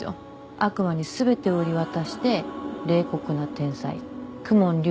悪魔に全て売り渡して冷酷な天才公文竜